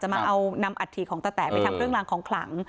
มาเอานำอัฐิของตะแต๋ไปทำเครื่องรางของขลัง